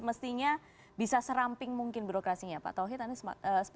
tentunya periode kedua sudah tanjap gas